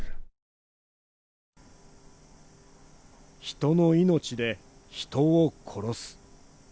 人の命で人を殺す。